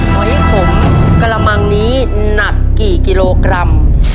หอยขมกระมังนี้หนักกี่กิโลกรัม